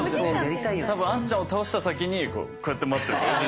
多分あっちゃんを倒した先にこうやって待ってる。